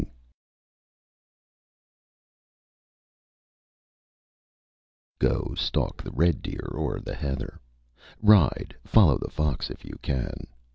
Go, stalk the red deer o'er the heather Ride, follow the fox if you can!